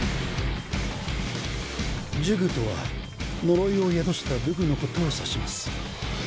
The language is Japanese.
呪具とは呪いを宿した武具のことを指します